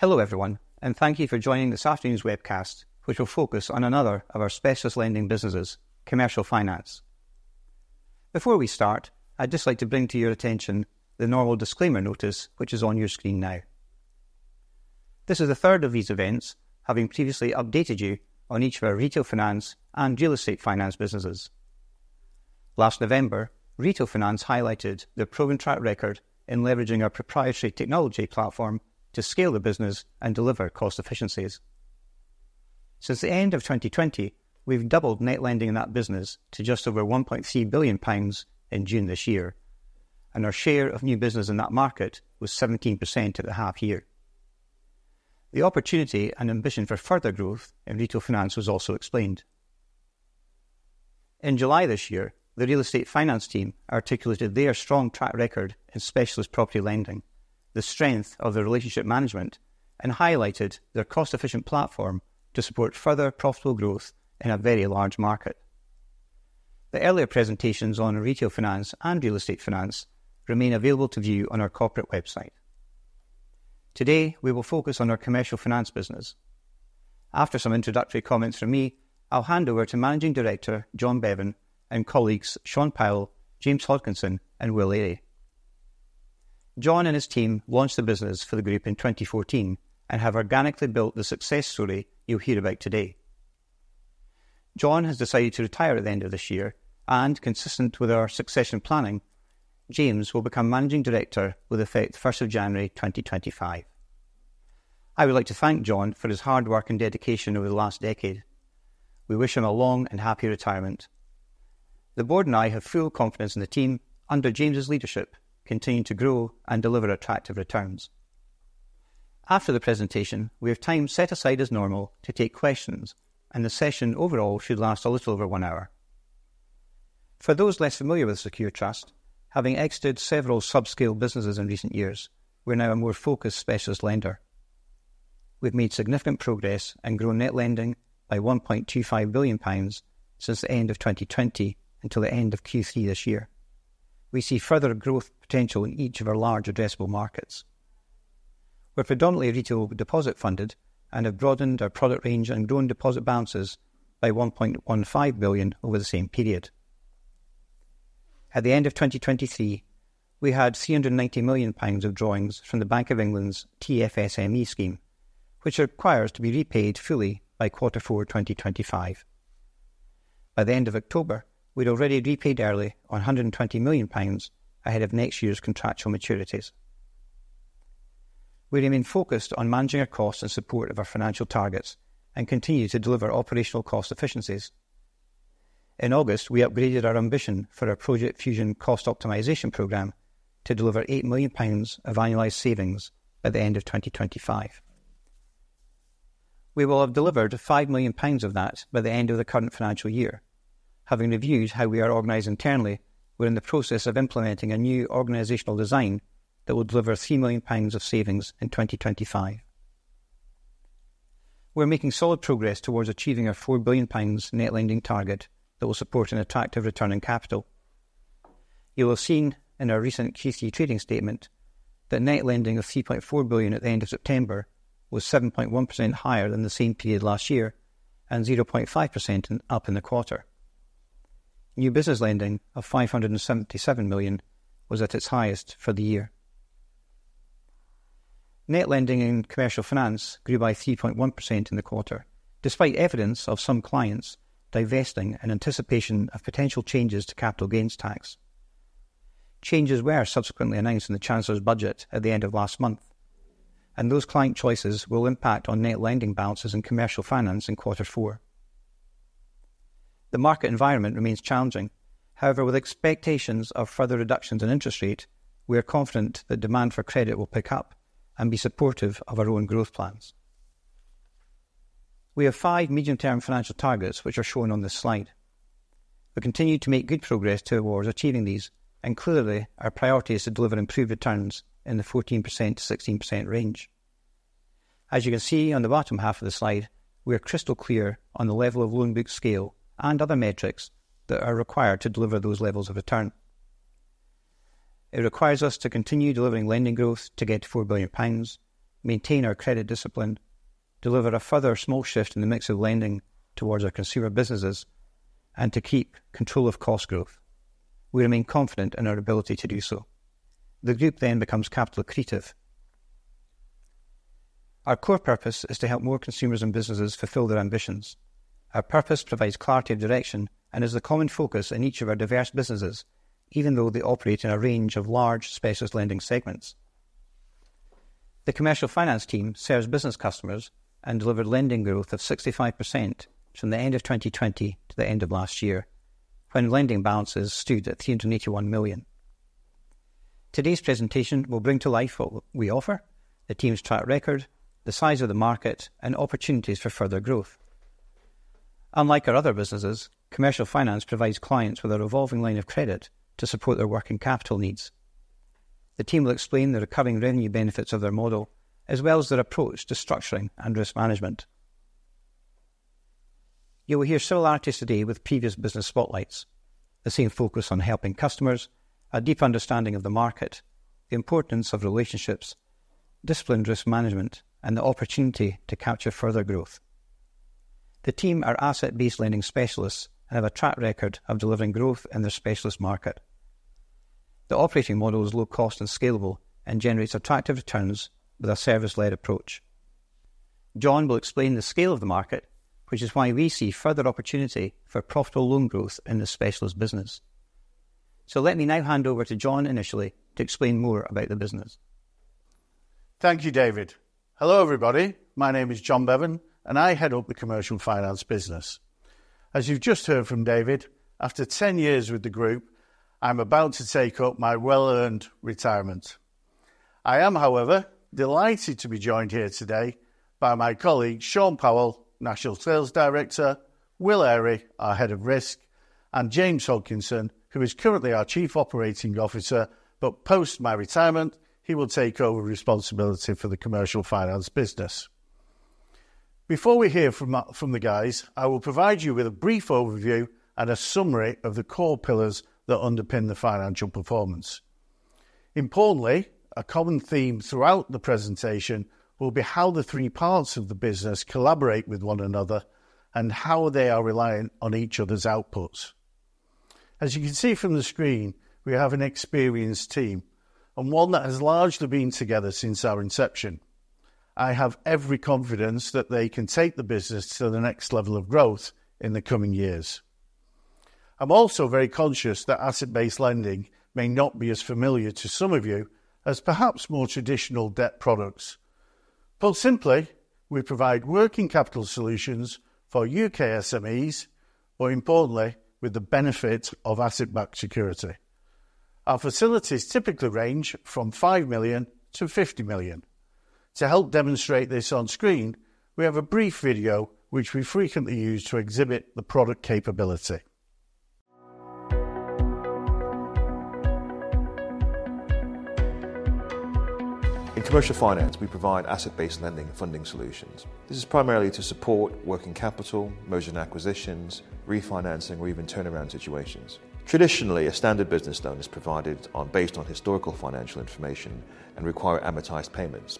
Hello everyone, and thank you for joining this afternoon's webcast, which will focus on another of our specialist lending businesses: Commercial Finance. Before we start, I'd just like to bring to your attention the normal disclaimer notice which is on your screen now. This is the third of these events, having previously updated you on each of our Retail Finance and Real Estate Finance businesses. Last November, Retail Finance highlighted their proven track record in leveraging our proprietary technology platform to scale the business and deliver cost efficiencies. Since the end of 2020, we've doubled net lending in that business to just over GBP 1.3 billion in June this year, and our share of new business in that market was 17% at the half-year. The opportunity and ambition for further growth in Retail Finance was also explained. In July this year, the Real Estate Finance team articulated their strong track record in specialist property lending, the strength of their relationship management, and highlighted their cost-efficient platform to support further profitable growth in a very large market. The earlier presentations on Retail Finance and Real Estate Finance remain available to view on our corporate website. Today, we will focus on our Commercial Finance business. After some introductory comments from me, I'll hand over to Managing Director John Bevan and colleagues Sean Powell, James Hodkinson, and Will Airey. John and his team launched the business for the group in 2014 and have organically built the success story you'll hear about today. John has decided to retire at the end of this year, and consistent with our succession planning, James will become Managing Director with effect 1st January 2025. I would like to thank John for his hard work and dedication over the last decade. We wish him a long and happy retirement. The board and I have full confidence in the team, under James's leadership, continuing to grow and deliver attractive returns. After the presentation, we have time set aside as normal to take questions, and the session overall should last a little over one hour. For those less familiar with Secure Trust, having exited several subscale businesses in recent years, we're now a more focused specialist lender. We've made significant progress and grown net lending by 1.25 billion pounds since the end of 2020 until the end of Q3 this year. We see further growth potential in each of our large addressable markets. We're predominantly retail deposit funded and have broadened our product range and grown deposit balances by 1.15 billion over the same period. At the end of 2023, we had 390 million pounds of drawings from the Bank of England's TFSME scheme, which requires to be repaid fully by Q4 2025. By the end of October, we'd already repaid early on 120 million pounds ahead of next year's contractual maturities. We remain focused on managing our costs in support of our financial targets and continue to deliver operational cost efficiencies. In August, we upgraded our ambition for our Project Fusion cost optimization program to deliver 8 million pounds of annualized savings by the end of 2025. We will have delivered 5 million pounds of that by the end of the current financial year. Having reviewed how we are organized internally, we're in the process of implementing a new organizational design that will deliver 3 million pounds of savings in 2025. We're making solid progress toward achieving our 4 billion pounds net lending target that will support an attractive return on capital. You will have seen in our recent Q3 trading statement that net lending of 3.4 billion at the end of September was 7.1% higher than the same period last year and 0.5% up in the quarter. New business lending of 577 million was at its highest for the year. Net lending in Commercial Finance grew by 3.1% in the quarter, despite evidence of some clients divesting in anticipation of potential changes to Capital Gains Tax. Changes were subsequently announced in the Chancellor's budget at the end of last month, and those client choices will impact on net lending balances in Commercial Finance in Q4. The market environment remains challenging. However, with expectations of further reductions in interest rate, we are confident that demand for credit will pick up and be supportive of our own growth plans. We have five medium-term financial targets which are shown on this slide. We continue to make good progress towards achieving these, and clearly our priority is to deliver improved returns in the 14%-16% range. As you can see on the bottom half of the slide, we are crystal clear on the level of loan book scale and other metrics that are required to deliver those levels of return. It requires us to continue delivering lending growth to get to GBP 4 billion, maintain our credit discipline, deliver a further small shift in the mix of lending towards our consumer businesses, and to keep control of cost growth. We remain confident in our ability to do so. The group then becomes capital accretive. Our core purpose is to help more consumers and businesses fulfill their ambitions. Our purpose provides clarity of direction and is the common focus in each of our diverse businesses, even though they operate in a range of large specialist lending segments. The Commercial Finance team serves business customers and delivered lending growth of 65% from the end of 2020 to the end of last year, when lending balances stood at 381 million. Today's presentation will bring to life what we offer, the team's track record, the size of the market, and opportunities for further growth. Unlike our other businesses, Commercial Finance provides clients with a revolving line of credit to support their working capital needs. The team will explain the recurring revenue benefits of their model, as well as their approach to structuring and risk management. You will hear similarities today with previous business spotlights, the same focus on helping customers, a deep understanding of the market, the importance of relationships, disciplined risk management, and the opportunity to capture further growth. The team are asset-based lending specialists and have a track record of delivering growth in their specialist market. The operating model is low cost and scalable and generates attractive returns with a service-led approach. John will explain the scale of the market, which is why we see further opportunity for profitable loan growth in the specialist business. So let me now hand over to John initially to explain more about the business. Thank you, David. Hello everybody. My name is John Bevan, and I head up the Commercial Finance business. As you've just heard from David, after 10 years with the group, I'm about to take up my well-earned retirement. I am, however, delighted to be joined here today by my colleague, Sean Powell, National Sales Director, Will Airey, our Head of Risk, and James Hodkinson, who is currently our Chief Operating Officer, but post my retirement, he will take over responsibility for the Commercial Finance business. Before we hear from the guys, I will provide you with a brief overview and a summary of the core pillars that underpin the financial performance. Importantly, a common theme throughout the presentation will be how the three parts of the business collaborate with one another and how they are relying on each other's outputs. As you can see from the screen, we have an experienced team and one that has largely been together since our inception. I have every confidence that they can take the business to the next level of growth in the coming years. I'm also very conscious that asset-based lending may not be as familiar to some of you as perhaps more traditional debt products. Put simply, we provide working capital solutions for UK SMEs or, importantly, with the benefit of asset-backed security. Our facilities typically range from 5 million-50 million. To help demonstrate this on screen, we have a brief video which we frequently use to exhibit the product capability. In Commercial Finance, we provide asset-based lending and funding solutions. This is primarily to support working capital, mergers and acquisitions, refinancing, or even turnaround situations. Traditionally, a standard business loan is provided based on historical financial information and requires amortized payments,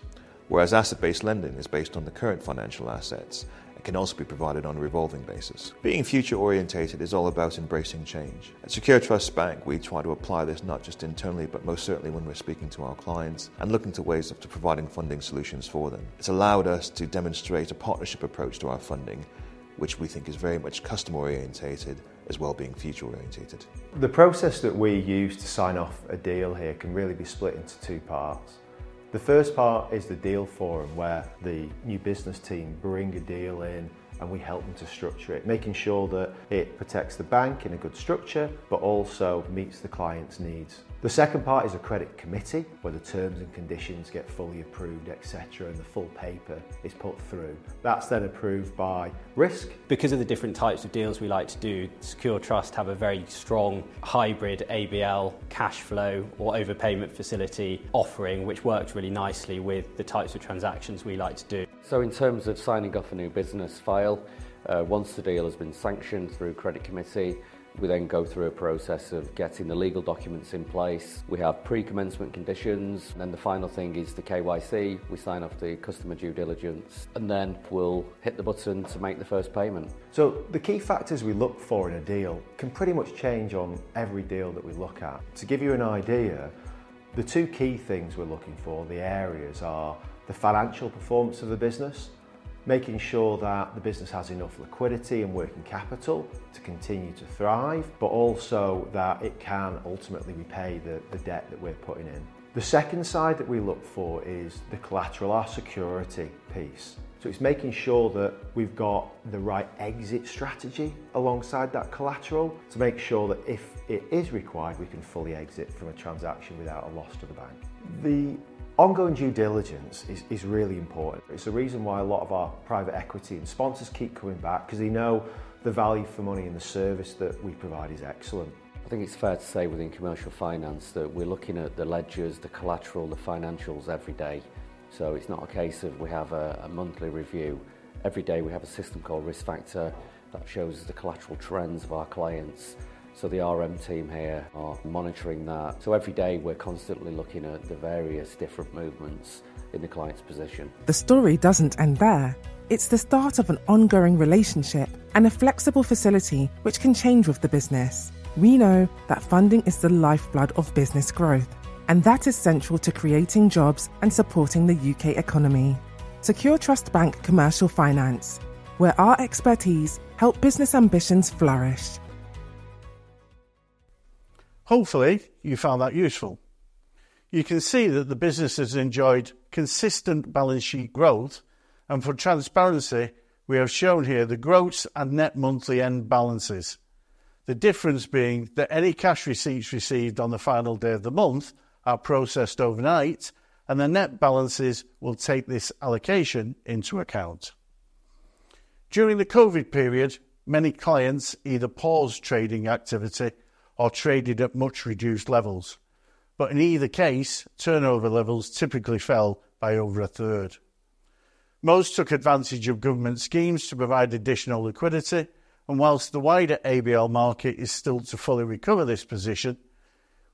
whereas asset-based lending is based on the current financial assets and can also be provided on a revolving basis. Being future-oriented is all about embracing change. At Secure Trust Bank, we try to apply this not just internally, but most certainly when we're speaking to our clients and looking to ways of providing funding solutions for them. It's allowed us to demonstrate a partnership approach to our funding, which we think is very much customer-oriented as well as being future-oriented. The process that we use to sign off a deal here can really be split into two parts. The first part is the deal forum, where the new business team brings a deal in, and we help them to structure it, making sure that it protects the bank in a good structure but also meets the client's needs. The second part is a credit committee where the terms and conditions get fully approved, etc., and the full paper is put through. That's then approved by risk. Because of the different types of deals we like to do, Secure Trust has a very strong hybrid ABL cash flow or overpayment facility offering, which works really nicely with the types of transactions we like to do. So in terms of signing off a new business file, once the deal has been sanctioned through a credit committee, we then go through a process of getting the legal documents in place. We have pre-commencement conditions, and then the final thing is the KYC. We sign off the customer due diligence, and then we'll hit the button to make the first payment. So the key factors we look for in a deal can pretty much change on every deal that we look at. To give you an idea, the two key things we're looking for, the areas, are the financial performance of the business, making sure that the business has enough liquidity and working capital to continue to thrive, but also that it can ultimately repay the debt that we're putting in. The second side that we look for is the collateral or security piece. So it's making sure that we've got the right exit strategy alongside that collateral to make sure that if it is required, we can fully exit from a transaction without a loss to the bank. The ongoing due diligence is really important. It's the reason why a lot of our private equity and sponsors keep coming back because they know the value for money and the service that we provide is excellent. I think it's fair to say within Commercial Finance that we're looking at the ledgers, the collateral, the financials every day. So it's not a case of we have a monthly review. Every day we have a system called Risk Factor that shows us the collateral trends of our clients. So the RM team here are monitoring that. So every day we're constantly looking at the various different movements in the client's position. The story doesn't end there. It's the start of an ongoing relationship and a flexible facility which can change with the business. We know that funding is the lifeblood of business growth, and that is central to creating jobs and supporting the U.K. economy. Secure Trust Bank Commercial Finance, where our expertise helps business ambitions flourish. Hopefully, you found that useful. You can see that the business has enjoyed consistent balance sheet growth, and for transparency, we have shown here the gross and net monthly end balances, the difference being that any cash receipts received on the final day of the month are processed overnight, and the net balances will take this allocation into account. During the COVID period, many clients either paused trading activity or traded at much reduced levels, but in either case, turnover levels typically fell by over a third. Most took advantage of government schemes to provide additional liquidity, and while the wider ABL market is still to fully recover this position,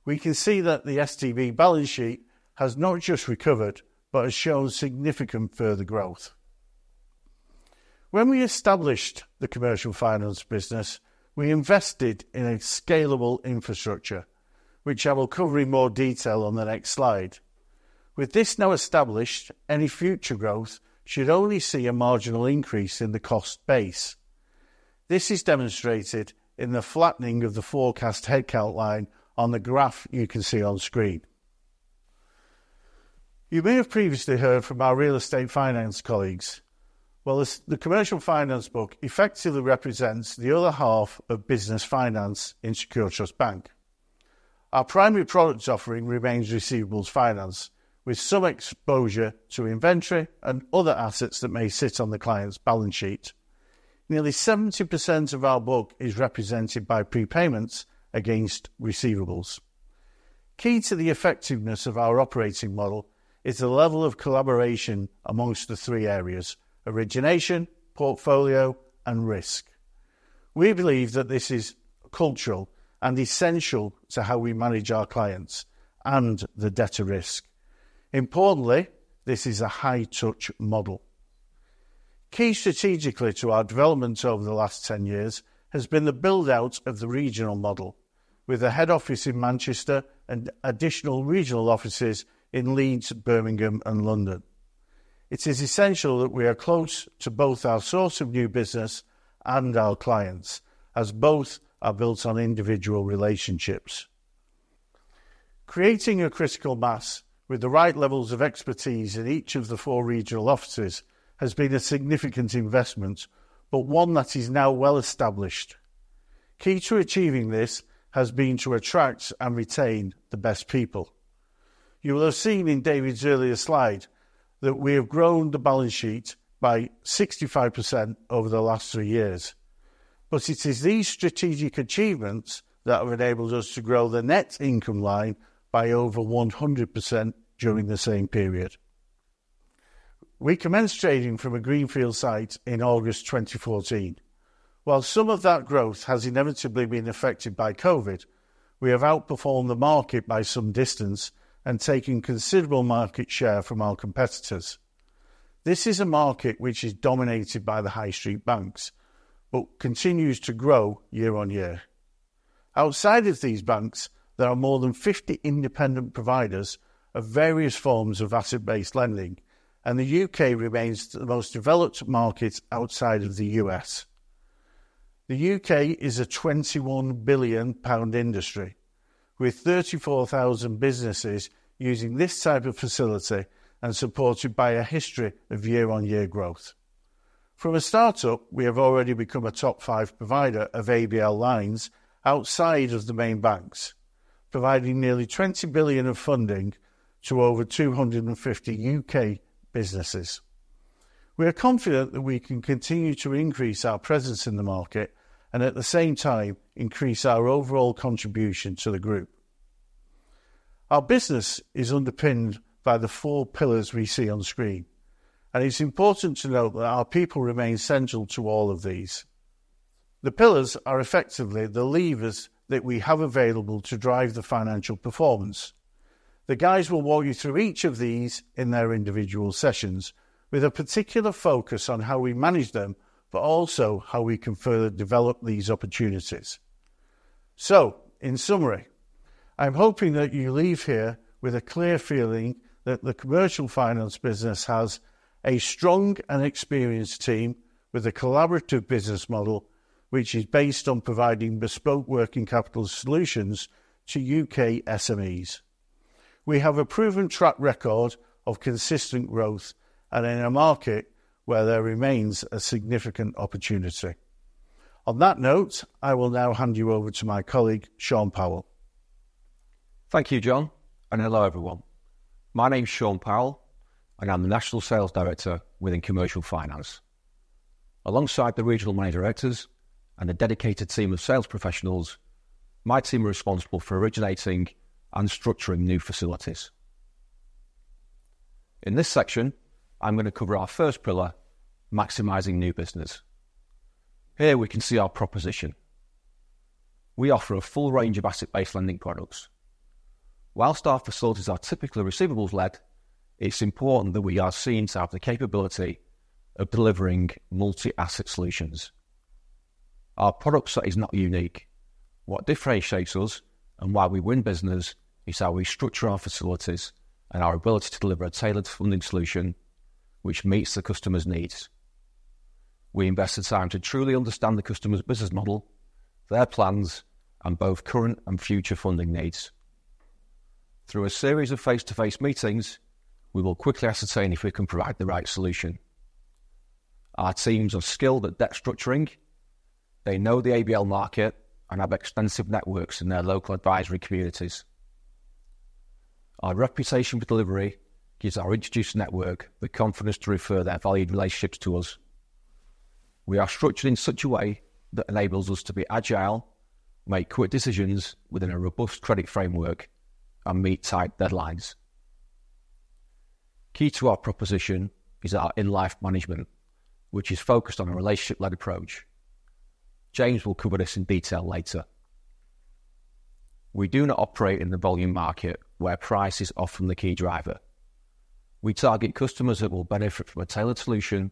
we can see that the STB balance sheet has not just recovered but has shown significant further growth. When we established the Commercial Finance business, we invested in a scalable infrastructure, which I will cover in more detail on the next slide. With this now established, any future growth should only see a marginal increase in the cost base. This is demonstrated in the flattening of the forecast headcount line on the graph you can see on screen. You may have previously heard from our Real Estate Finance colleagues. The Commercial Finance book effectively represents the other half of business finance in Secure Trust Bank. Our primary product offering remains Receivables Finance, with some exposure to inventory and other assets that may sit on the client's balance sheet. Nearly 70% of our book is represented by prepayments against receivables. Key to the effectiveness of our operating model is the level of collaboration among the three areas: origination, portfolio, and risk. We believe that this is cultural and essential to how we manage our clients and the debtor risk. Importantly, this is a high-touch model. Key strategically to our development over the last 10 years has been the build-out of the regional model, with a head office in Manchester and additional regional offices in Leeds, Birmingham, and London. It is essential that we are close to both our source of new business and our clients, as both are built on individual relationships. Creating a critical mass with the right levels of expertise in each of the four regional offices has been a significant investment, but one that is now well established. Key to achieving this has been to attract and retain the best people. You will have seen in David's earlier slide that we have grown the balance sheet by 65% over the last three years, but it is these strategic achievements that have enabled us to grow the net income line by over 100% during the same period. We commenced trading from a greenfield site in August 2014. While some of that growth has inevitably been affected by COVID, we have outperformed the market by some distance and taken considerable market share from our competitors. This is a market which is dominated by the high-street banks but continues to grow year-on-year. Outside of these banks, there are more than 50 independent providers of various forms of asset-based lending, and the U.K. remains the most developed market outside of the U.S. The U.K. is a 21 billion pound industry, with 34,000 businesses using this type of facility and supported by a history of year-on-year growth. From a startup, we have already become a top five provider of ABL lines outside of the main banks, providing nearly 20 billion of funding to over 250 U.K. businesses. We are confident that we can continue to increase our presence in the market and at the same time increase our overall contribution to the group. Our business is underpinned by the four pillars we see on screen, and it's important to note that our people remain central to all of these. The pillars are effectively the levers that we have available to drive the financial performance. The guys will walk you through each of these in their individual sessions, with a particular focus on how we manage them, but also how we can further develop these opportunities. So, in summary, I'm hoping that you leave here with a clear feeling that the Commercial Finance business has a strong and experienced team with a collaborative business model which is based on providing bespoke working capital solutions to UK SMEs. We have a proven track record of consistent growth, and in a market where there remains a significant opportunity. On that note, I will now hand you over to my colleague, Sean Powell. Thank you, John, and hello everyone. My name is Sean Powell, and I'm the National Sales Director within Commercial Finance. Alongside the regional managing directors and the dedicated team of sales professionals, my team are responsible for originating and structuring new facilities. In this section, I'm going to cover our first pillar, maximizing new business. Here we can see our proposition. We offer a full range of asset-based lending products. While our facilities are typically receivables-led, it's important that we are seen to have the capability of delivering multi-asset solutions. Our product set is not unique. What differentiates us and why we win business is how we structure our facilities and our ability to deliver a tailored funding solution which meets the customer's needs. We invest the time to truly understand the customer's business model, their plans, and both current and future funding needs. Through a series of face-to-face meetings, we will quickly ascertain if we can provide the right solution. Our teams are skilled at debt structuring. They know the ABL market and have extensive networks in their local advisory communities. Our reputation for delivery gives our introduced network the confidence to refer their valued relationships to us. We are structured in such a way that enables us to be agile, make quick decisions within a robust credit framework, and meet tight deadlines. Key to our proposition is our in-life management, which is focused on a relationship-led approach. James will cover this in detail later. We do not operate in the volume market where price is often the key driver. We target customers that will benefit from a tailored solution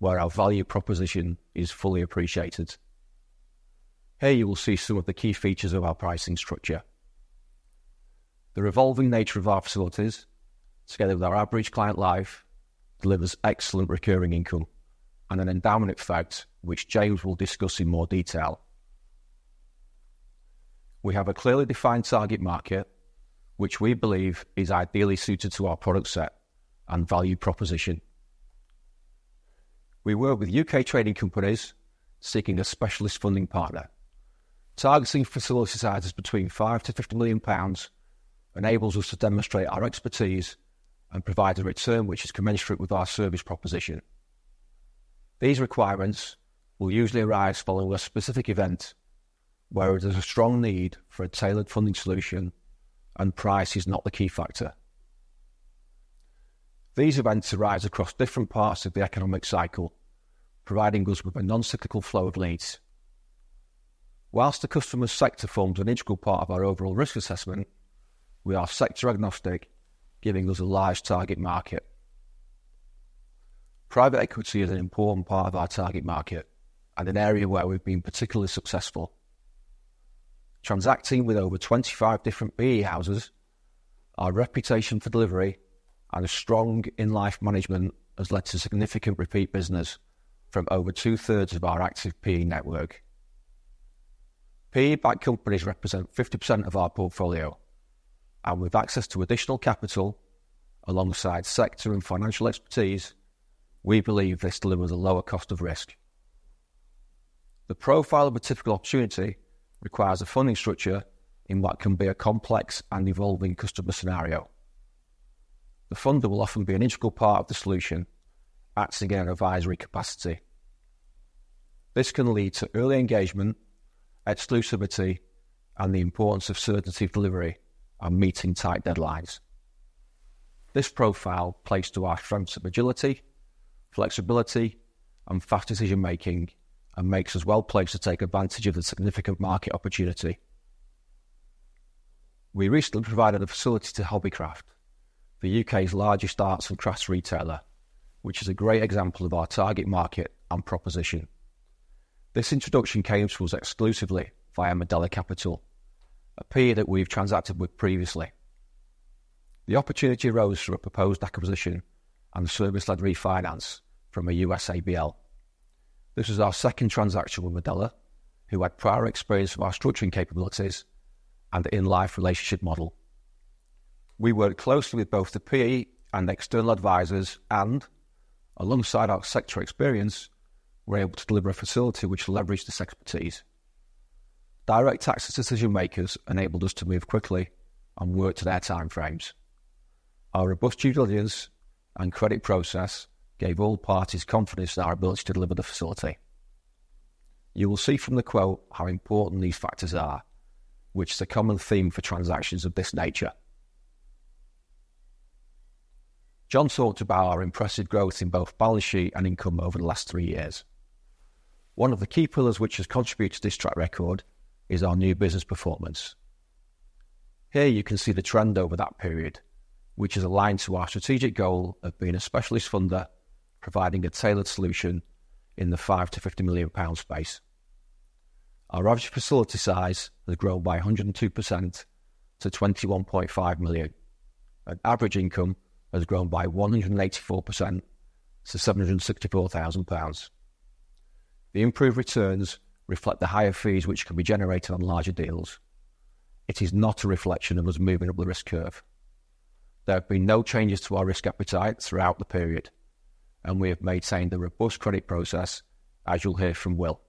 where our value proposition is fully appreciated. Here you will see some of the key features of our pricing structure. The revolving nature of our facilities, together with our average client life, delivers excellent recurring income and an endowment effect which James will discuss in more detail. We have a clearly defined target market, which we believe is ideally suited to our product set and value proposition. We work with U.K. trading companies seeking a specialist funding partner. Targeting facilities between 5 million-50 million pounds enables us to demonstrate our expertise and provide a return which is commensurate with our service proposition. These requirements will usually arise following a specific event where there's a strong need for a tailored funding solution and price is not the key factor. These events arise across different parts of the economic cycle, providing us with a non-cyclical flow of leads. While the customer sector forms an integral part of our overall risk assessment, we are sector agnostic, giving us a large target market. Private equity is an important part of our target market and an area where we've been particularly successful. Transacting with over 25 different PE houses, our reputation for delivery and a strong in-life management has led to significant repeat business from over 2/3 of our active PE network. PE-backed companies represent 50% of our portfolio, and with access to additional capital alongside sector and financial expertise, we believe this delivers a lower cost of risk. The profile of a typical opportunity requires a funding structure in what can be a complex and evolving customer scenario. The funder will often be an integral part of the solution, acting in an advisory capacity. This can lead to early engagement, exclusivity, and the importance of certainty of delivery and meeting tight deadlines. This profile plays to our strengths of agility, flexibility, and fast decision-making and makes us well placed to take advantage of the significant market opportunity. We recently provided a facility to Hobbycraft, the UK's largest arts and crafts retailer, which is a great example of our target market and proposition. This introduction came to us exclusively via Modella Capital, a peer that we've transacted with previously. The opportunity arose through a proposed acquisition and service-led refinance from a US ABL. This was our second transaction with Modella, who had prior experience of our structuring capabilities and in-life relationship model. We worked closely with both the PE and external advisors, and alongside our sector experience, were able to deliver a facility which leveraged this expertise. Direct access decision-makers enabled us to move quickly and work to their timeframes. Our robust due diligence and credit process gave all parties confidence in our ability to deliver the facility. You will see from the quote how important these factors are, which is a common theme for transactions of this nature. John talked about our impressive growth in both balance sheet and income over the last three years. One of the key pillars which has contributed to this track record is our new business performance. Here you can see the trend over that period, which is aligned to our strategic goal of being a specialist funder, providing a tailored solution in the 5 million-50 million pound space. Our average facility size has grown by 102% to 21.5 million, and average income has grown by 184% to 764,000 pounds. The improved returns reflect the higher fees which can be generated on larger deals. It is not a reflection of us moving up the risk curve. There have been no changes to our risk appetite throughout the period, and we have maintained a robust credit process, as you'll hear from Will.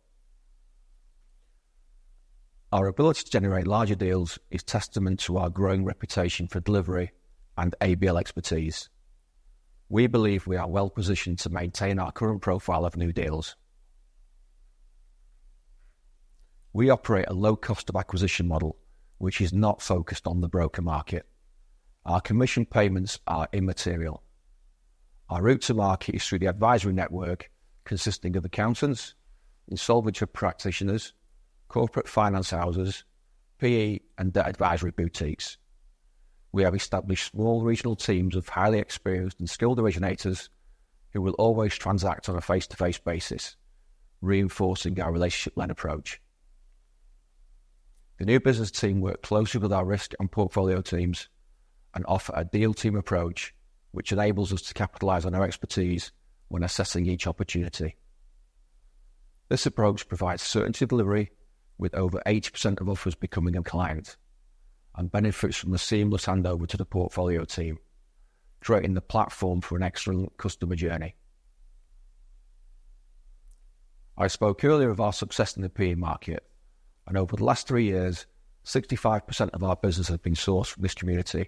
Our ability to generate larger deals is testament to our growing reputation for delivery and ABL expertise. We believe we are well positioned to maintain our current profile of new deals. We operate a low-cost of acquisition model, which is not focused on the broker market. Our commission payments are immaterial. Our route to market is through the advisory network consisting of accountants, insolvency practitioners, corporate finance houses, PE, and debt advisory boutiques. We have established small regional teams of highly experienced and skilled originators who will always transact on a face-to-face basis, reinforcing our relationship-led approach. The new business team works closely with our risk and portfolio teams and offers a deal team approach, which enables us to capitalize on our expertise when assessing each opportunity. This approach provides certainty of delivery, with over 80% of offers becoming a client, and benefits from the seamless handover to the portfolio team, creating the platform for an excellent customer journey. I spoke earlier of our success in the PE market, and over the last three years, 65% of our business has been sourced from this community,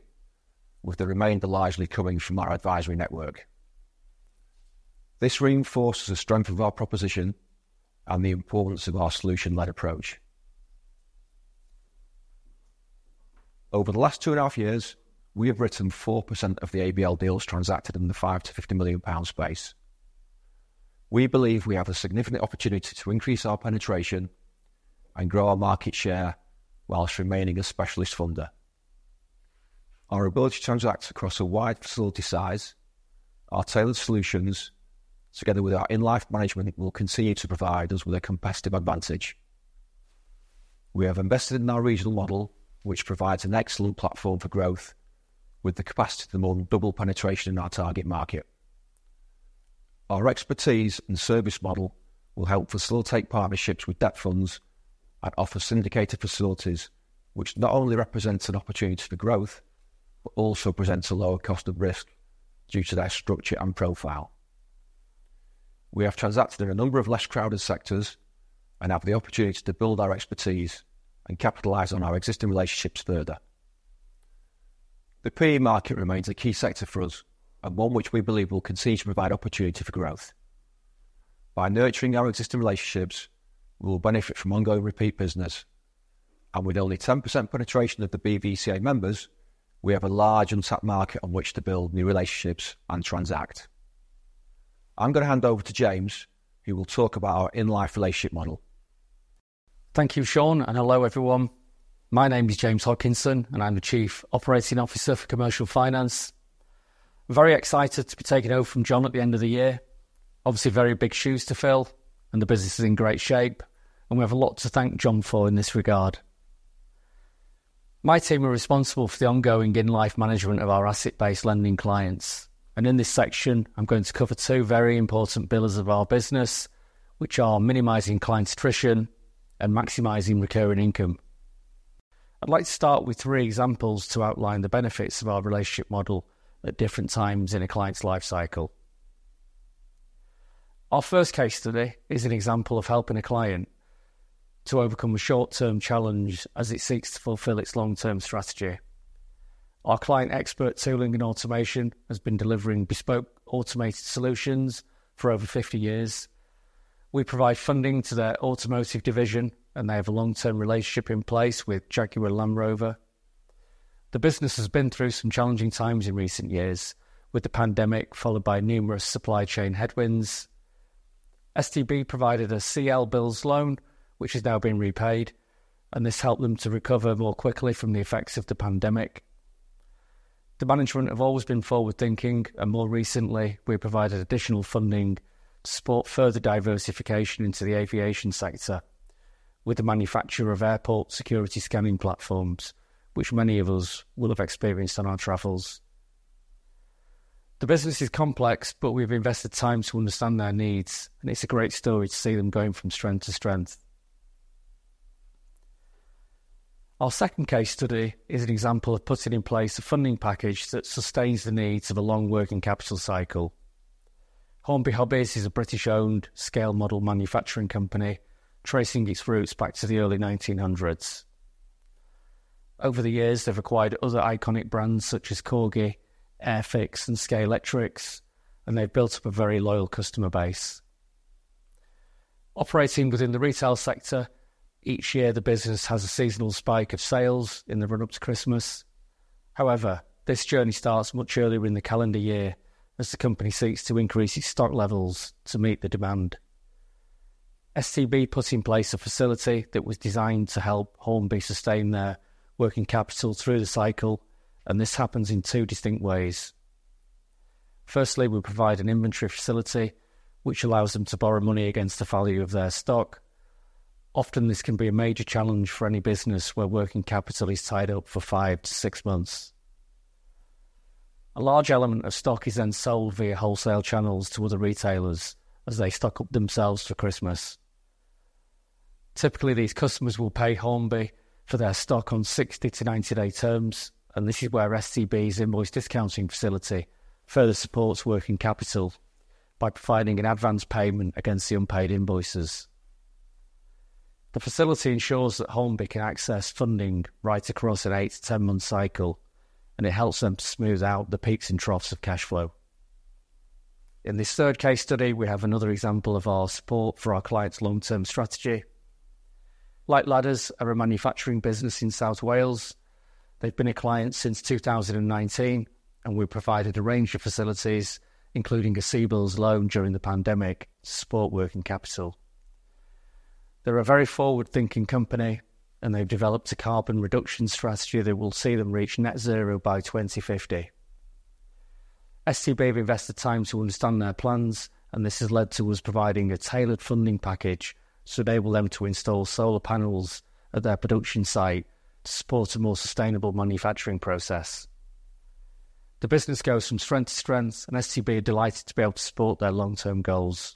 with the remainder largely coming from our advisory network. This reinforces the strength of our proposition and the importance of our solution-led approach. Over the last two and a half years, we have written 4% of the ABL deals transacted in the 5 million-50 million pound space. We believe we have a significant opportunity to increase our penetration and grow our market share while remaining a specialist funder. Our ability to transact across a wide facility size, our tailored solutions, together with our in-life management, will continue to provide us with a competitive advantage. We have invested in our regional model, which provides an excellent platform for growth, with the capacity to more than double penetration in our target market. Our expertise and service model will help facilitate partnerships with debt funds and offer syndicated facilities, which not only represents an opportunity for growth, but also presents a lower cost of risk due to their structure and profile. We have transacted in a number of less crowded sectors and have the opportunity to build our expertise and capitalize on our existing relationships further. The PE market remains a key sector for us and one which we believe will continue to provide opportunity for growth. By nurturing our existing relationships, we will benefit from ongoing repeat business, and with only 10% penetration of the BVCA members, we have a large untapped market on which to build new relationships and transact. I'm going to hand over to James, who will talk about our in-life relationship model. Thank you, Sean, and hello everyone. My name is James Hodkinson, and I'm the Chief Operating Officer for Commercial Finance. Very excited to be taking over from John at the end of the year. Obviously, very big shoes to fill, and the business is in great shape, and we have a lot to thank John for in this regard. My team are responsible for the ongoing in-life management of our asset-based lending clients, and in this section, I'm going to cover two very important pillars of our business, which are minimizing client attrition and maximizing recurring income. I'd like to start with three examples to outline the benefits of our relationship model at different times in a client's life cycle. Our first case study is an example of helping a client to overcome a short-term challenge as it seeks to fulfill its long-term strategy. Our client Expert Tooling & Automation has been delivering bespoke automated solutions for over 50 years. We provide funding to their automotive division, and they have a long-term relationship in place with Jaguar Land Rover. The business has been through some challenging times in recent years, with the pandemic followed by numerous supply chain headwinds. STB provided a CLBILS loan, which has now been repaid, and this helped them to recover more quickly from the effects of the pandemic. The management have always been forward-thinking, and more recently, we have provided additional funding to support further diversification into the aviation sector with the manufacture of airport security scanning platforms, which many of us will have experienced on our travels. The business is complex, but we have invested time to understand their needs, and it's a great story to see them going from strength to strength. Our second case study is an example of putting in place a funding package that sustains the needs of a long working capital cycle. Hornby Hobbies is a British-owned scale model manufacturing company, tracing its roots back to the early 1900s. Over the years, they've acquired other iconic brands such as Corgi, Airfix, and Scalextric's, and they've built up a very loyal customer base. Operating within the retail sector, each year the business has a seasonal spike of sales in the run-up to Christmas. However, this journey starts much earlier in the calendar year as the company seeks to increase its stock levels to meet the demand. STB put in place a facility that was designed to help Hornby sustain their working capital through the cycle, and this happens in two distinct ways. Firstly, we provide an inventory facility, which allows them to borrow money against the value of their stock. Often, this can be a major challenge for any business where working capital is tied up for five to six months. A large element of stock is then sold via wholesale channels to other retailers as they stock up themselves for Christmas. Typically, these customers will pay Hornby for their stock on 60-90-day terms, and this is where STB's invoice discounting facility further supports working capital by providing an advance payment against the unpaid invoices. The facility ensures that Hornby can access funding right across an eight to 10-month cycle, and it helps them to smooth out the peaks and troughs of cash flow. In this third case study, we have another example of our support for our client's long-term strategy. Lyte Ladders are a manufacturing business in South Wales. They've been a client since 2019, and we've provided a range of facilities, including a CBILS loan during the pandemic, to support working capital. They're a very forward-thinking company, and they've developed a carbon reduction strategy that will see them reach net zero by 2050. STB have invested time to understand their plans, and this has led to us providing a tailored funding package to enable them to install solar panels at their production site to support a more sustainable manufacturing process. The business goes from strength to strength, and STB are delighted to be able to support their long-term goals.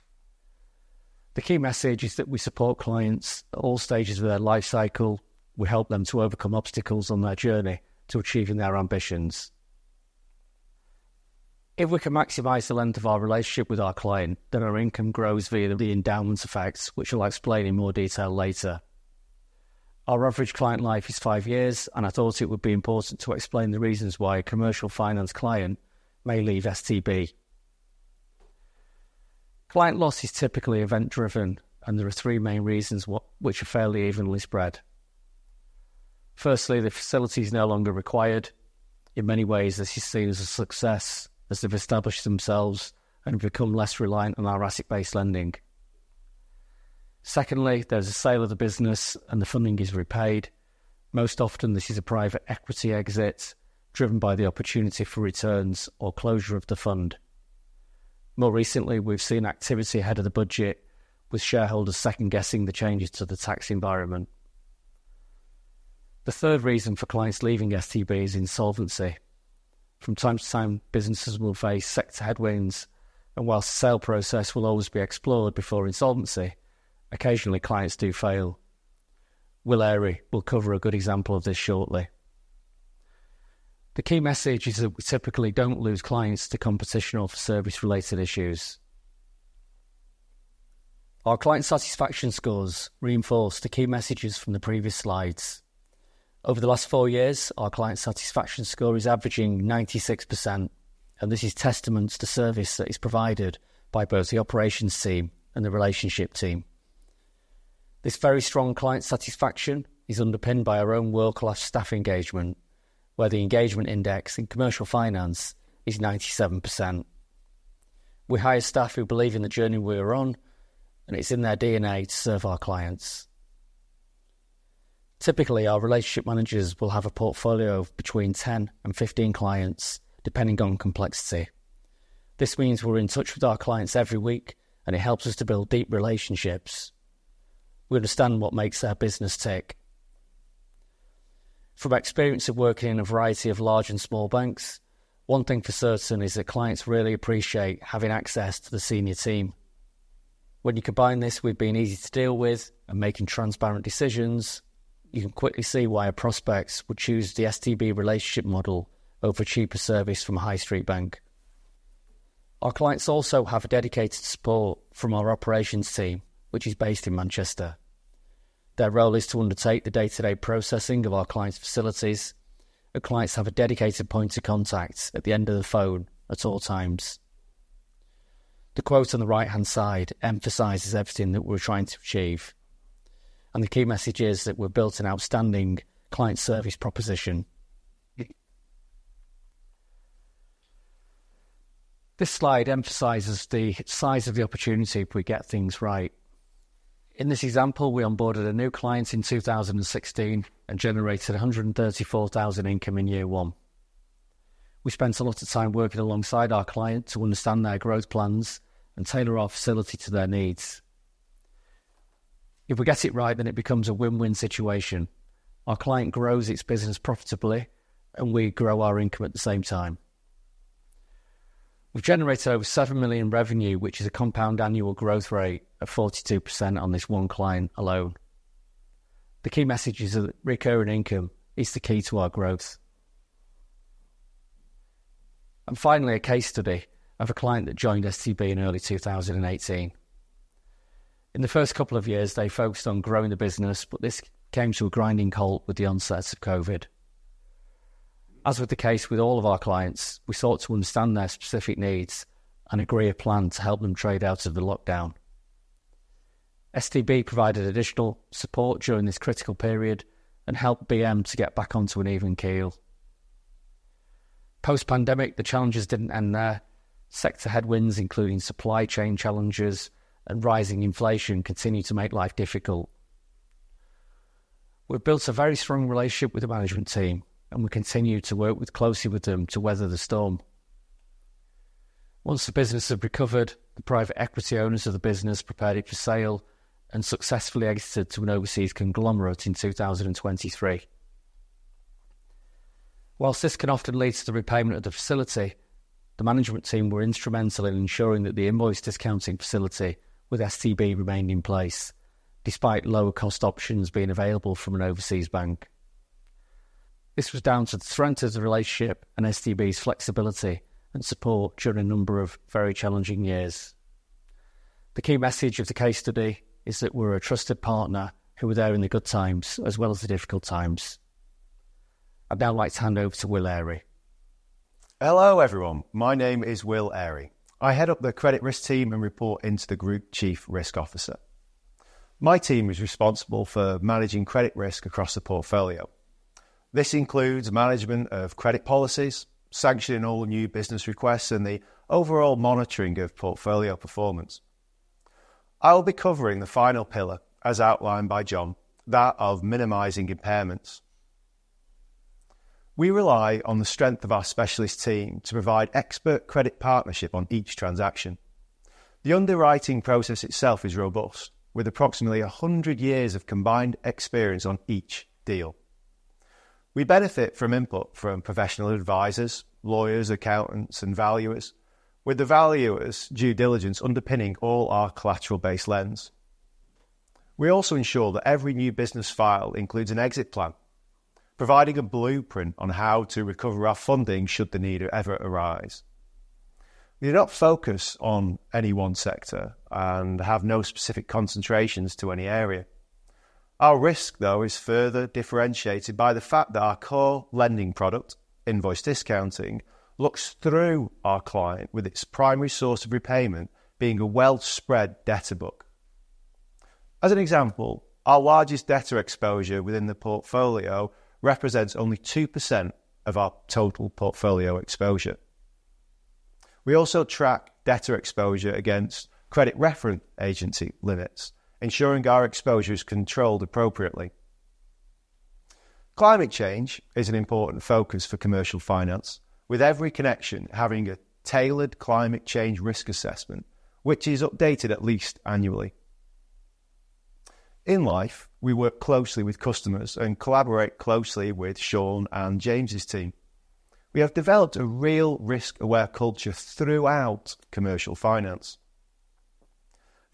The key message is that we support clients at all stages of their life cycle. We help them to overcome obstacles on their journey to achieving their ambitions. If we can maximize the length of our relationship with our client, then our income grows via the endowment effect, which I'll explain in more detail later. Our average client life is five years, and I thought it would be important to explain the reasons why a Commercial Finance client may leave STB. Client loss is typically event-driven, and there are three main reasons which are fairly evenly spread. Firstly, the facility is no longer required. In many ways, this is seen as a success as they've established themselves and become less reliant on our Asset-Based Lending. Secondly, there's a sale of the business, and the funding is repaid. Most often, this is a Private Equity exit driven by the opportunity for returns or closure of the fund. More recently, we've seen activity ahead of the budget, with shareholders second-guessing the changes to the tax environment. The third reason for clients leaving STB is insolvency. From time to time, businesses will face sector headwinds, and while the sale process will always be explored before insolvency, occasionally clients do fail. Will Airey will cover a good example of this shortly. The key message is that we typically don't lose clients to competition or for service-related issues. Our client satisfaction scores reinforce the key messages from the previous slides. Over the last four years, our client satisfaction score is averaging 96%, and this is testament to service that is provided by both the operations team and the relationship team. This very strong client satisfaction is underpinned by our own world-class staff engagement, where the engagement index in Commercial Finance is 97%. We hire staff who believe in the journey we are on, and it's in their DNA to serve our clients. Typically, our relationship managers will have a portfolio of between 10 and 15 clients, depending on complexity. This means we're in touch with our clients every week, and it helps us to build deep relationships. We understand what makes their business tick. From experience of working in a variety of large and small banks, one thing for certain is that clients really appreciate having access to the senior team. When you combine this with being easy to deal with and making transparent decisions, you can quickly see why a prospect would choose the STB relationship model over cheaper service from a high-street bank. Our clients also have a dedicated support from our operations team, which is based in Manchester. Their role is to undertake the day-to-day processing of our clients' facilities, and clients have a dedicated point of contact at the end of the phone at all times. The quote on the right-hand side emphasizes everything that we're trying to achieve, and the key message is that we've built an outstanding client service proposition. This slide emphasizes the size of the opportunity if we get things right. In this example, we onboarded a new client in 2016 and generated 134,000 income in year one. We spent a lot of time working alongside our client to understand their growth plans and tailor our facility to their needs. If we get it right, then it becomes a win-win situation. Our client grows its business profitably, and we grow our income at the same time. We've generated over 7 million revenue, which is a compound annual growth rate of 42% on this one client alone. The key message is that recurring income is the key to our growth. And finally, a case study of a client that joined STB in early 2018. In the first couple of years, they focused on growing the business, but this came to a grinding halt with the onset of COVID. As with the case with all of our clients, we sought to understand their specific needs and agree a plan to help them trade out of the lockdown. STB provided additional support during this critical period and helped BM to get back onto an even keel. Post-pandemic, the challenges didn't end there. Sector headwinds, including supply chain challenges and rising inflation, continued to make life difficult. We've built a very strong relationship with the management team, and we continue to work closely with them to weather the storm. Once the business had recovered, the private equity owners of the business prepared it for sale and successfully exited to an overseas conglomerate in 2023. While this can often lead to the repayment of the facility, the management team were instrumental in ensuring that the invoice discounting facility with STB remained in place, despite lower-cost options being available from an overseas bank. This was down to the strength of the relationship and STB's flexibility and support during a number of very challenging years. The key message of the case study is that we're a trusted partner who were there in the good times as well as the difficult times. I'd now like to hand over to Will Airey. Hello everyone. My name is Will Airey. I head up the Credit Risk Team and report into the Group Chief Risk Officer. My team is responsible for managing credit risk across the portfolio. This includes management of credit policies, sanctioning all new business requests, and the overall monitoring of portfolio performance. I'll be covering the final pillar, as outlined by John, that of minimizing impairments. We rely on the strength of our specialist team to provide expert credit partnership on each transaction. The underwriting process itself is robust, with approximately 100 years of combined experience on each deal. We benefit from input from professional advisors, lawyers, accountants, and valuers, with the valuers' due diligence underpinning all our collateral-based lens. We also ensure that every new business file includes an exit plan, providing a blueprint on how to recover our funding should the need ever arise. We do not focus on any one sector and have no specific concentrations to any area. Our risk, though, is further differentiated by the fact that our core lending product, invoice discounting, looks through our client, with its primary source of repayment being a well-spread debtor book. As an example, our largest debtor exposure within the portfolio represents only 2% of our total portfolio exposure. We also track debtor exposure against credit reference agency limits, ensuring our exposure is controlled appropriately. Climate change is an important focus for Commercial Finance, with every connection having a tailored climate change risk assessment, which is updated at least annually. In life, we work closely with customers and collaborate closely with Sean and James's team. We have developed a real risk-aware culture throughout Commercial Finance.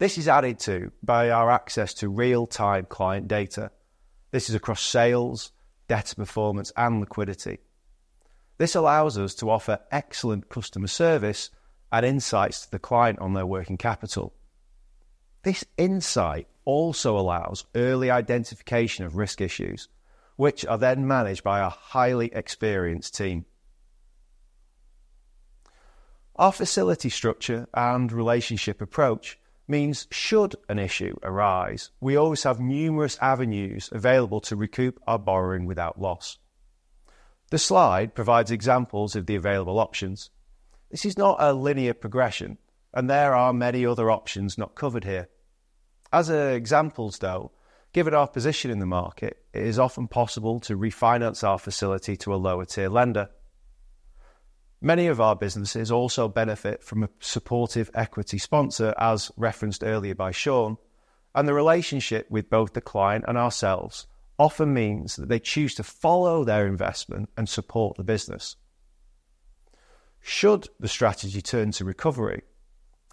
This is added to by our access to real-time client data. This is across sales, debtor performance, and liquidity. This allows us to offer excellent customer service and insights to the client on their working capital. This insight also allows early identification of risk issues, which are then managed by our highly experienced team. Our facility structure and relationship approach means should an issue arise, we always have numerous avenues available to recoup our borrowing without loss. The slide provides examples of the available options. This is not a linear progression, and there are many other options not covered here. As examples, though, given our position in the market, it is often possible to refinance our facility to a lower-tier lender. Many of our businesses also benefit from a supportive equity sponsor, as referenced earlier by Sean, and the relationship with both the client and ourselves often means that they choose to follow their investment and support the business. Should the strategy turn to recovery?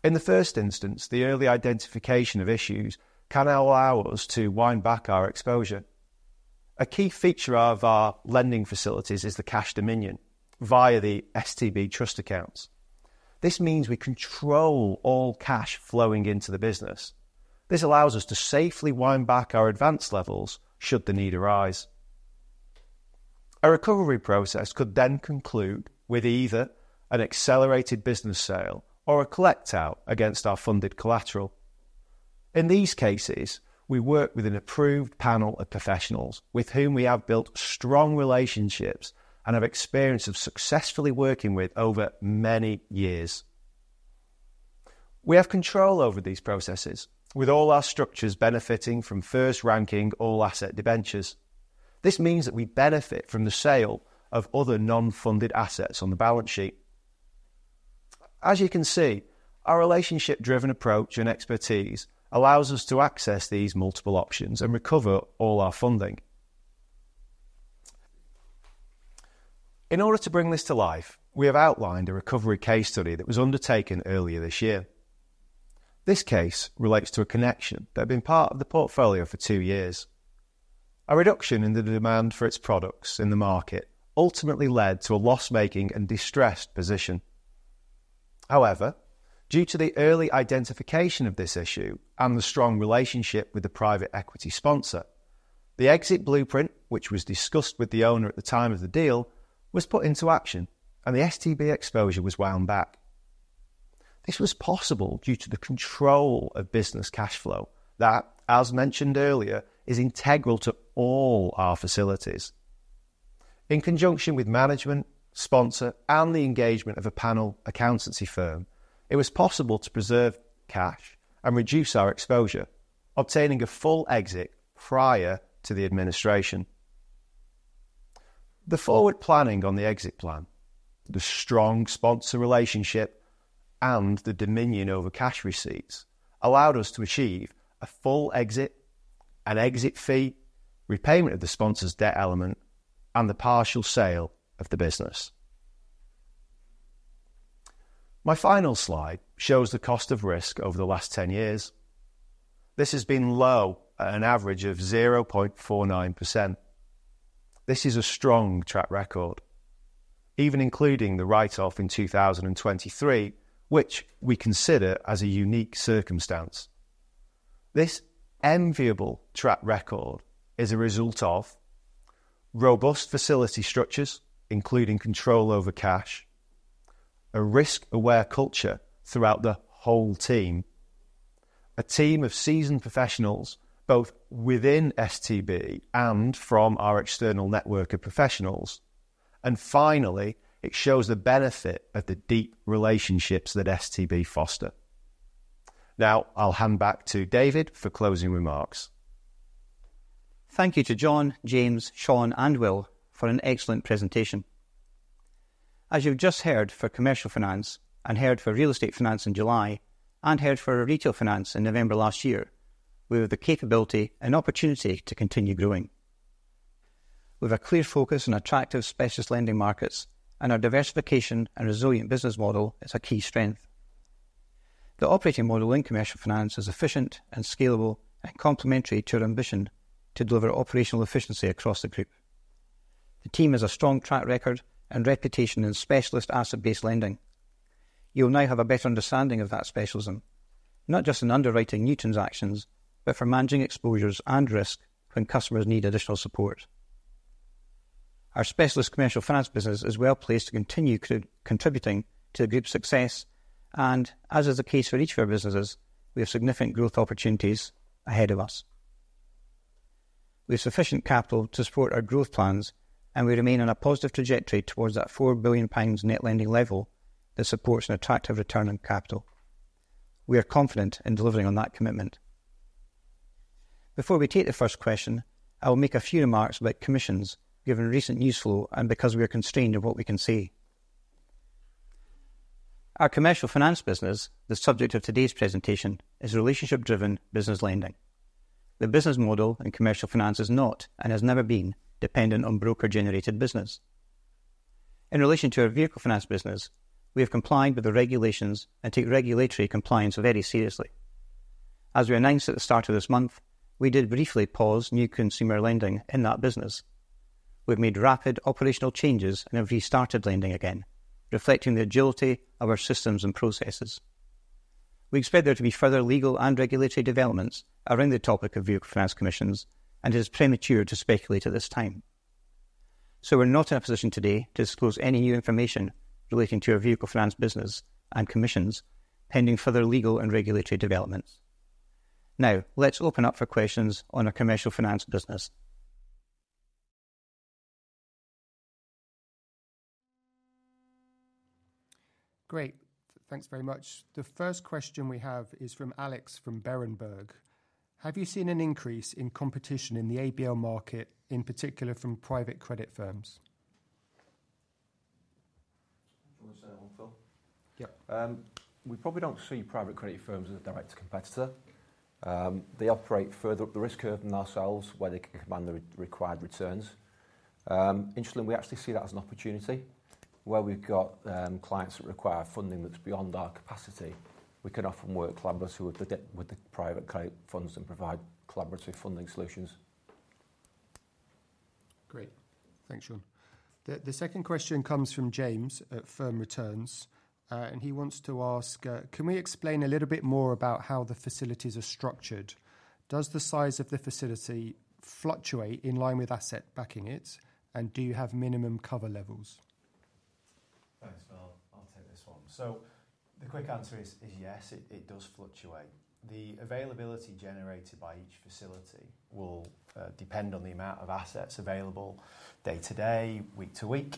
In the first instance, the early identification of issues can allow us to wind back our exposure. A key feature of our lending facilities is the cash dominion via the STB trust accounts. This means we control all cash flowing into the business. This allows us to safely wind back our advance levels should the need arise. A recovery process could then conclude with either an accelerated business sale or a collect-out against our funded collateral. In these cases, we work with an approved panel of professionals with whom we have built strong relationships and have experience of successfully working with over many years. We have control over these processes, with all our structures benefiting from first-ranking all-asset debentures. This means that we benefit from the sale of other non-funded assets on the balance sheet. As you can see, our relationship-driven approach and expertise allows us to access these multiple options and recover all our funding. In order to bring this to life, we have outlined a recovery case study that was undertaken earlier this year. This case relates to a connection that had been part of the portfolio for two years. A reduction in the demand for its products in the market ultimately led to a loss-making and distressed position. However, due to the early identification of this issue and the strong relationship with the private equity sponsor, the exit blueprint, which was discussed with the owner at the time of the deal, was put into action, and the STB exposure was wound back. This was possible due to the control of business cash flow that, as mentioned earlier, is integral to all our facilities. In conjunction with management, sponsor, and the engagement of a panel accountancy firm, it was possible to preserve cash and reduce our exposure, obtaining a full exit prior to the administration. The forward planning on the exit plan, the strong sponsor relationship, and the dominion over cash receipts allowed us to achieve a full exit, an exit fee, repayment of the sponsor's debt element, and the partial sale of the business. My final slide shows the cost of risk over the last 10 years. This has been low at an average of 0.49%. This is a strong track record, even including the write-off in 2023, which we consider as a unique circumstance. This enviable track record is a result of robust facility structures, including control over cash, a risk-aware culture throughout the whole team, a team of seasoned professionals both within STB and from our external network of professionals, and finally, it shows the benefit of the deep relationships that STB foster. Now, I'll hand back to David for closing remarks. Thank you to John, James, Sean, and Will for an excellent presentation. As you've just heard for Commercial Finance and heard for Real Estate Finance in July and heard for Retail Finance in November last year, we have the capability and opportunity to continue growing. We have a clear focus on attractive, specialist lending markets, and our diversification and resilient business model is a key strength. The operating model in Commercial Finance is efficient and scalable and complementary to our ambition to deliver operational efficiency across the group. The team has a strong track record and reputation in specialist Asset-Based Lending. You'll now have a better understanding of that specialism, not just in underwriting new transactions, but for managing exposures and risk when customers need additional support. Our specialist Commercial Finance business is well placed to continue contributing to the group's success, and as is the case for each of our businesses, we have significant growth opportunities ahead of us. We have sufficient capital to support our growth plans, and we remain on a positive trajectory towards that 4 billion pounds net lending level that supports an attractive return on capital. We are confident in delivering on that commitment. Before we take the first question, I will make a few remarks about commissions given recent news flow and because we are constrained of what we can see. Our Commercial Finance business, the subject of today's presentation, is relationship-driven business lending. The business model in Commercial Finance is not and has never been dependent on broker-generated business. In relation to our Vehicle Finance business, we have complied with the regulations and take regulatory compliance very seriously. As we announced at the start of this month, we did briefly pause new consumer lending in that business. We've made rapid operational changes and have restarted lending again, reflecting the agility of our systems and processes. We expect there to be further legal and regulatory developments around the topic of Vehicle Finance commissions, and it is premature to speculate at this time. So we're not in a position today to disclose any new information relating to our Vehicle Finance business and commissions pending further legal and regulatory developments. Now, let's open up for questions on our Commercial Finance business. Great. Thanks very much. The first question we have is from Alex from Berenberg. Have you seen an increase in competition in the ABL market, in particular from private credit firms? Do you want to say a long thought? Yeah. We probably don't see private credit firms as a direct competitor. They operate further up the risk curve than ourselves, where they can command the required returns. In lending, we actually see that as an opportunity where we've got clients that require funding that's beyond our capacity. We can often work collaboratively with the private credit funds and provide collaborative funding solutions. Great. Thanks, Sean. The second question comes from James at Firm Returns, and he wants to ask, can we explain a little bit more about how the facilities are structured? Does the size of the facility fluctuate in line with asset backing it, and do you have minimum cover levels? Thanks, Phil. I'll take this one. So the quick answer is yes, it does fluctuate. The availability generated by each facility will depend on the amount of assets available day-to-day, week-to-week.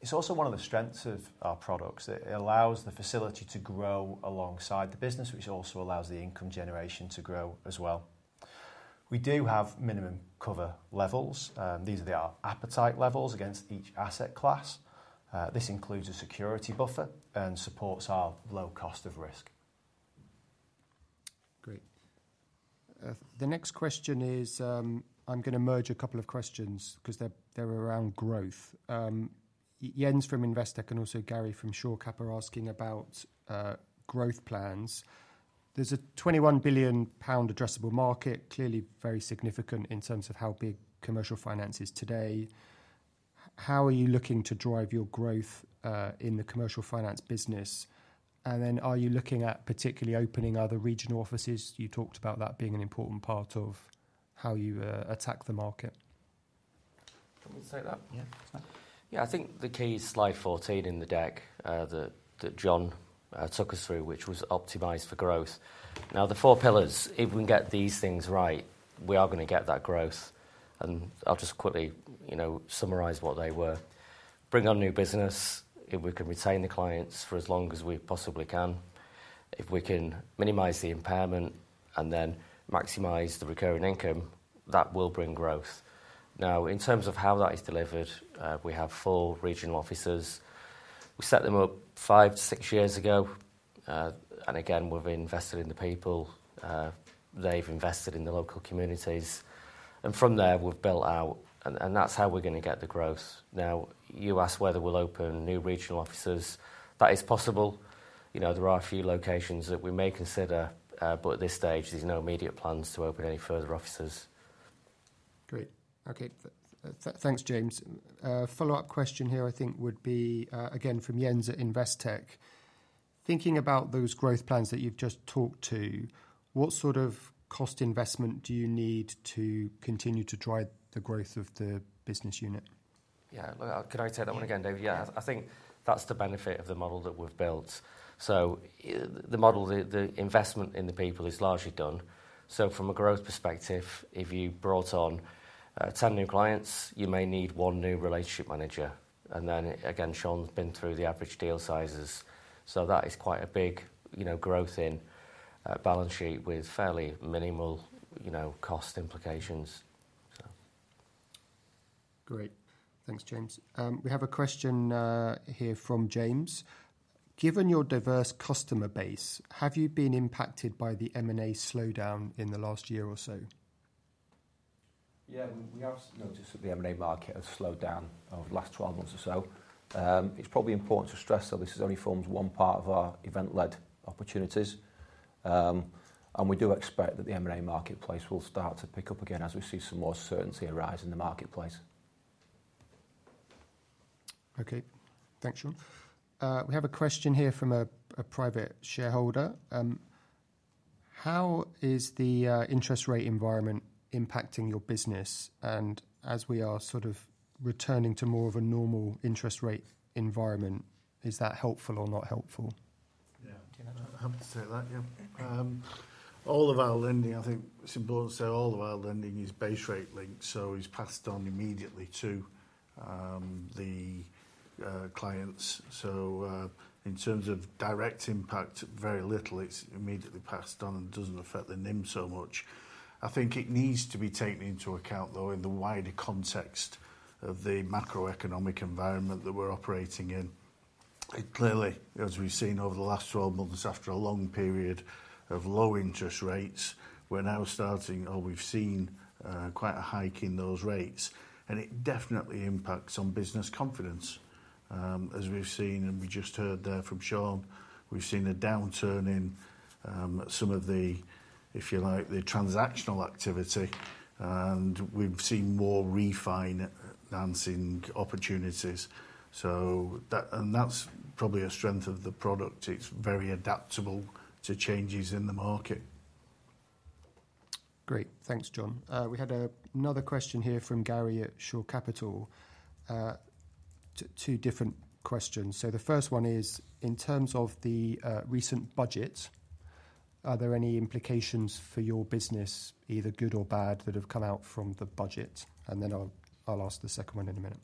It's also one of the strengths of our products that allows the facility to grow alongside the business, which also allows the income generation to grow as well. We do have minimum cover levels. These are our appetite levels against each asset class. This includes a security buffer and supports our low cost of risk. Great. The next question is, I'm going to merge a couple of questions because they're around growth. Jens from Investec and also Gary from Shore Capital are asking about growth plans. There's a 21 billion pound addressable market, clearly very significant in terms of how big Commercial Finance is today. How are you looking to drive your growth in the Commercial Finance business? And then are you looking at particularly opening other regional offices? You talked about that being an important part of how you attack the market. Can we say that? Yeah. Yeah, I think the key slide 14 in the deck that John took us through, which was optimized for growth. Now, the four pillars, if we can get these things right, we are going to get that growth, and I'll just quickly summarize what they were. Bring on new business if we can retain the clients for as long as we possibly can. If we can minimize the impairment and then maximize the recurring income, that will bring growth. Now, in terms of how that is delivered, we have four regional offices. We set them up five to six years ago, and again, we've invested in the people. They've invested in the local communities, and from there, we've built out, and that's how we're going to get the growth. Now, you asked whether we'll open new regional offices. That is possible. There are a few locations that we may consider, but at this stage, there's no immediate plans to open any further offices. Great. Okay. Thanks, James. Follow-up question here, I think, would be, again, from Jens at Investec. Thinking about those growth plans that you've just talked to, what sort of cost investment do you need to continue to drive the growth of the business unit? Yeah, can I take that one again, David? Yeah, I think that's the benefit of the model that we've built. So the investment in the people is largely done. So from a growth perspective, if you brought on 10 new clients, you may need one new relationship manager. And then, again, Sean's been through the average deal sizes. So that is quite a big growth in balance sheet with fairly minimal cost implications. Great. Thanks, James. We have a question here from James. Given your diverse customer base, have you been impacted by the M&A slowdown in the last year or so? Yeah, we have noticed that the M&A market has slowed down over the last 12 months or so. It's probably important to stress that this only forms one part of our event-led opportunities, and we do expect that the M&A marketplace will start to pick up again as we see some more certainty arise in the marketplace. Okay. Thanks, Sean. We have a question here from a private shareholder. How is the interest rate environment impacting your business? And as we are sort of returning to more of a normal interest rate environment, is that helpful or not helpful? Yeah. Happy to take that. Yeah. All of our lending, I think it's important to say all of our lending is base rate linked, so it's passed on immediately to the clients. So, in terms of direct impact, very little. It's immediately passed on and doesn't affect the NIM so much. I think it needs to be taken into account, though, in the wider context of the macroeconomic environment that we're operating in. Clearly, as we've seen over the last 12 months, after a long period of low interest rates, we're now starting, or we've seen quite a hike in those rates, and it definitely impacts on business confidence, as we've seen, and we just heard there from Sean, we've seen a downturn in some of the, if you like, the transactional activity, and we've seen more refinancing opportunities, and that's probably a strength of the product. It's very adaptable to changes in the market. Great. Thanks, John. We had another question here from Gary at Shore Capital. Two different questions. So the first one is, in terms of the recent budget, are there any implications for your business, either good or bad, that have come out from the budget? And then I'll ask the second one in a minute.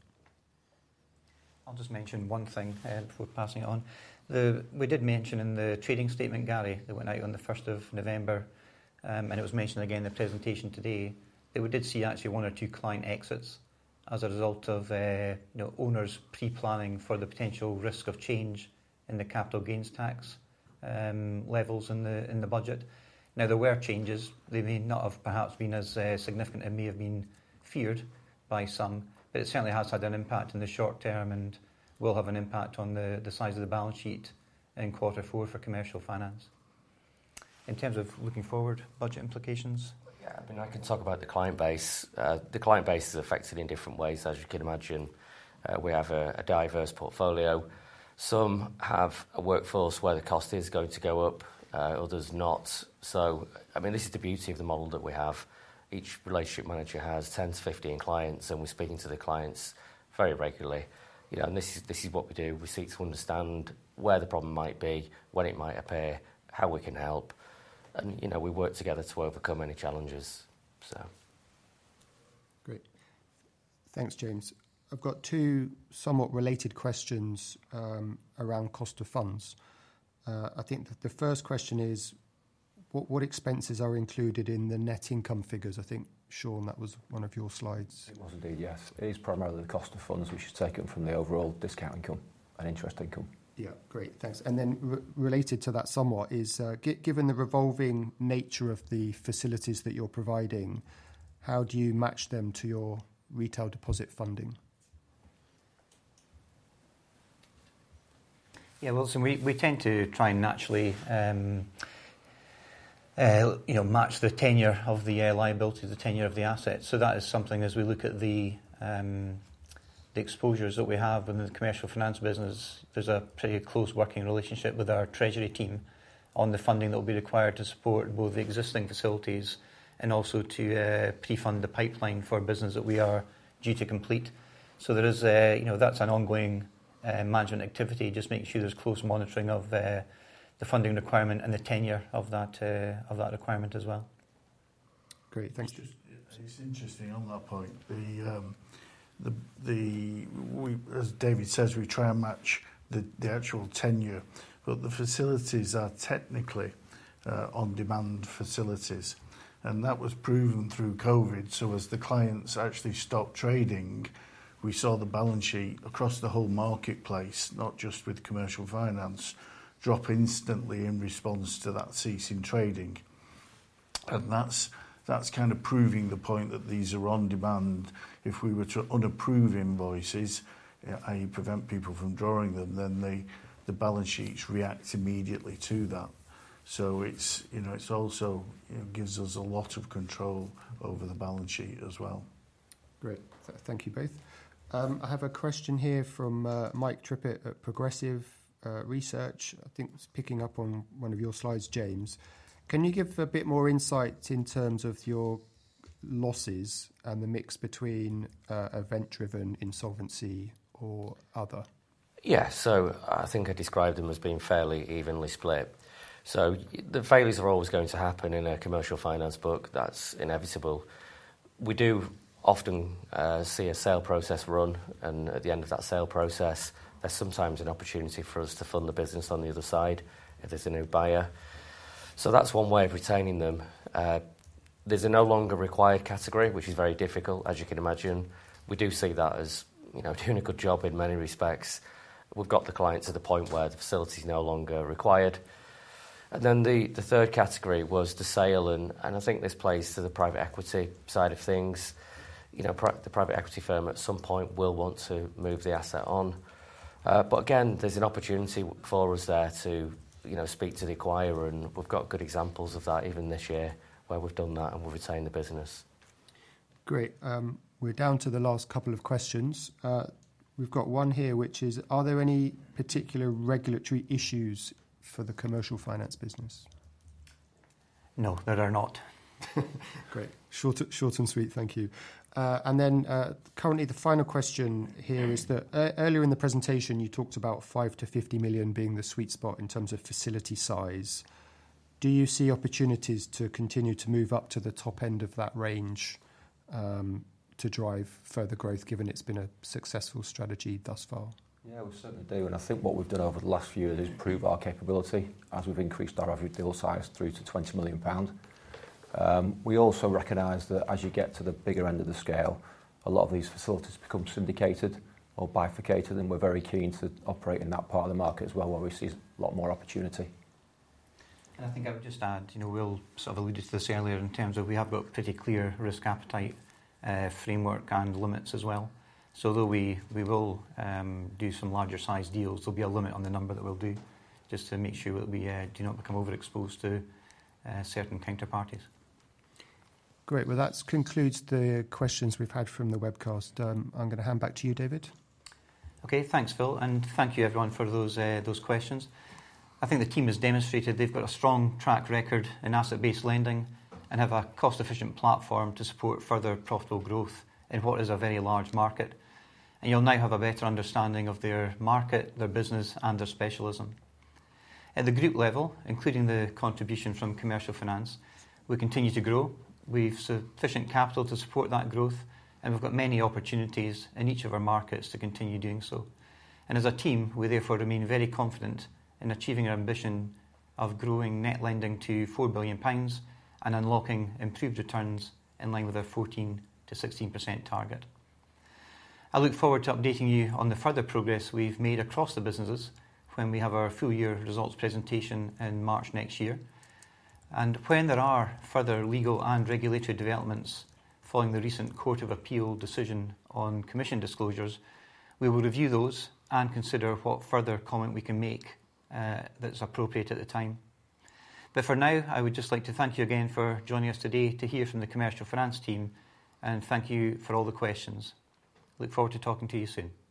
I'll just mention one thing before passing on. We did mention in the trading statement, Gary, that went out on the 1st of November, and it was mentioned again in the presentation today, that we did see actually one or two client exits as a result of owners pre-planning for the potential risk of change in the Capital Gains Tax levels in the budget. Now, there were changes. They may not have perhaps been as significant as may have been feared by some, but it certainly has had an impact in the short term and will have an impact on the size of the balance sheet in quarter four for Commercial Finance. In terms of looking forward, budget implications? Yeah, I mean, I can talk about the client base. The client base is affected in different ways, as you can imagine. We have a diverse portfolio. Some have a workforce where the cost is going to go up, others not. So, I mean, this is the beauty of the model that we have. Each relationship manager has 10 to 15 clients, and we're speaking to the clients very regularly. And this is what we do. We seek to understand where the problem might be, when it might appear, how we can help. And we work together to overcome any challenges, so. Great. Thanks, James. I've got two somewhat related questions around cost of funds. I think the first question is, what expenses are included in the net income figures? I think, Sean, that was one of your slides. It was indeed, yes. It is primarily the cost of funds. We should take it from the overall discount income and interest income. Yeah. Great. Thanks. And then related to that somewhat is, given the revolving nature of the facilities that you're providing, how do you match them to your retail deposit funding? Yeah, well, so we tend to try and naturally match the tenure of the liabilities, the tenure of the assets. So that is something, as we look at the exposures that we have in the Commercial Finance business, there's a pretty close working relationship with our Treasury team on the funding that will be required to support both the existing facilities and also to pre-fund the pipeline for business that we are due to complete. So that's an ongoing management activity, just making sure there's close monitoring of the funding requirement and the tenure of that requirement as well. Great. Thanks. It's interesting on that point. As David says, we try and match the actual tenure, but the facilities are technically on-demand facilities. And that was proven through COVID. So as the clients actually stopped trading, we saw the balance sheet across the whole marketplace, not just with Commercial Finance, drop instantly in response to that cease in trading. And that's kind of proving the point that these are on-demand. If we were to unapprove invoices, i.e., prevent people from drawing them, then the balance sheets react immediately to that. So it also gives us a lot of control over the balance sheet as well. Great. Thank you both. I have a question here from Mike Trippett at Progressive Research. I think he's picking up on one of your slides, James. Can you give a bit more insight in terms of your losses and the mix between event-driven insolvency or other? Yeah. So I think I described them as being fairly evenly split. So the failures are always going to happen in a Commercial Finance book. That's inevitable. We do often see a sale process run, and at the end of that sale process, there's sometimes an opportunity for us to fund the business on the other side if there's a new buyer. So that's one way of retaining them. There's a no longer required category, which is very difficult, as you can imagine. We do see that as doing a good job in many respects. We've got the clients to the point where the facility is no longer required. And then the third category was the sale. And I think this plays to the private equity side of things. The private equity firm at some point will want to move the asset on. But again, there's an opportunity for us there to speak to the acquirer. And we've got good examples of that even this year where we've done that and we've retained the business. Great. We're down to the last couple of questions. We've got one here, which is, are there any particular regulatory issues for the Commercial Finance business? No, there are not. Great. Short and sweet. Thank you. And then currently, the final question here is that earlier in the presentation, you talked about 5 million-50 million being the sweet spot in terms of facility size. Do you see opportunities to continue to move up to the top end of that range to drive further growth, given it's been a successful strategy thus far? Yeah, we certainly do. And I think what we've done over the last few years is prove our capability as we've increased our average deal size through to 20 million pounds. We also recognize that as you get to the bigger end of the scale, a lot of these facilities become syndicated or bifurcated. And we're very keen to operate in that part of the market as well, where we see a lot more opportunity. And I think I would just add, we've sort of alluded to this earlier in terms of we have got a pretty clear risk appetite framework and limits as well. So though we will do some larger-sized deals, there'll be a limit on the number that we'll do just to make sure we do not become overexposed to certain counterparties. Great. Well, that concludes the questions we've had from the webcast. I'm going to hand back to you, David. Okay. Thanks, Phil. And thank you, everyone, for those questions. I think the team has demonstrated they've got a strong track record in asset-based lending and have a cost-efficient platform to support further profitable growth in what is a very large market. And you'll now have a better understanding of their market, their business, and their specialism. At the group level, including the contribution from Commercial Finance, we continue to grow. We have sufficient capital to support that growth, and we've got many opportunities in each of our markets to continue doing so. And as a team, we therefore remain very confident in achieving our ambition of growing net lending to 4 billion pounds and unlocking improved returns in line with our 14%-16% target. I look forward to updating you on the further progress we've made across the businesses when we have our full-year results presentation in March next year, and when there are further legal and regulatory developments following the recent Court of Appeal decision on commission disclosures, we will review those and consider what further comment we can make that's appropriate at the time, but for now, I would just like to thank you again for joining us today to hear from the Commercial Finance team, and thank you for all the questions. Look forward to talking to you soon.